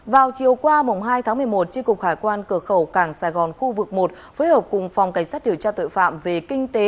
vào chiều qua hai tháng một mươi một tri cục hải quan cửa khẩu cảng sài gòn khu vực một phối hợp cùng phòng cảnh sát điều tra tội phạm về kinh tế